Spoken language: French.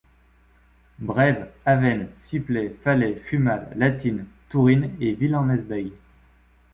Braives, Avennes, Ciplet, Fallais, Fumal, Latinne, Tourinne et Ville-en-Hesbaye.